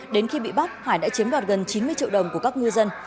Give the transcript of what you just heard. đến khi bị bắt hải đã chiếm đoạt gần chín mươi triệu đồng của các ngư dân